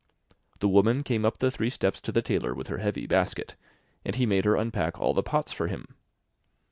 The woman came up the three steps to the tailor with her heavy basket, and he made her unpack all the pots for him.